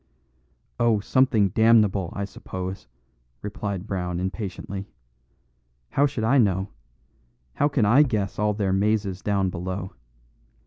"Oh, something damnable, I suppose," replied Brown impatiently. "How should I know? How can I guess all their mazes down below?